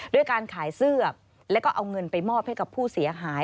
ด้วยการขายเสื้อแล้วก็เอาเงินไปมอบให้กับผู้เสียหาย